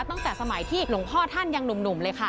ตั้งแต่สมัยที่หลวงพ่อท่านยังหนุ่มเลยค่ะ